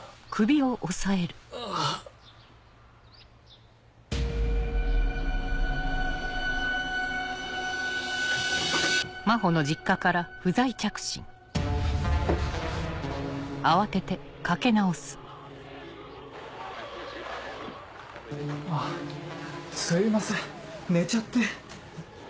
あっすいません寝ちゃって。